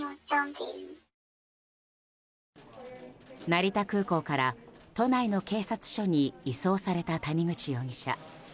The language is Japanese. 成田空港から都内の警察署に移送された谷口容疑者。